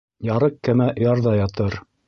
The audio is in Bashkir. Ярыҡ кәмә ярҙа ятыр.